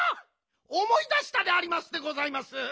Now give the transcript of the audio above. おもい出したでありますでございます。